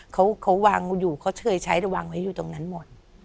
เขาวางอยู่เขาเชยใช้แต่วางไว้อยู่ตรงนั้นหมด